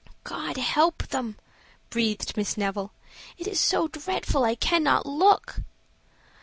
"God help them!" breathed Miss Neville. "It is so dreadful I cannot look."